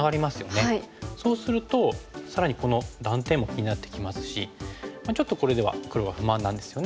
そうすると更にこの断点も気になってきますしちょっとこれでは黒は不満なんですよね。